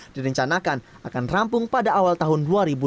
direncanakan akan rampung pada awal tahun dua ribu dua puluh